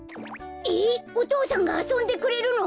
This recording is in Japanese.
えっお父さんがあそんでくれるの？